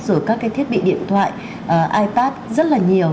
rồi các cái thiết bị điện thoại ipad rất là nhiều